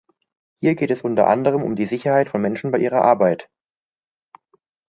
Hier geht es unter anderem um die Sicherheit von Menschen bei ihrer Arbeit.